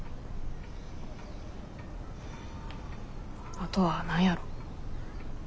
あとは何やろう。